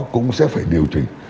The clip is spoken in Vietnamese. cũng sẽ phải điều chỉnh